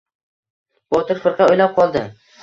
Botir firqa o‘ylab qoldi.